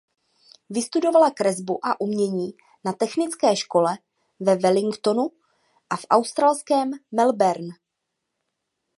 Vystudovala kresbu a umění na technické škole ve Wellingtonu a v australském Melbourne.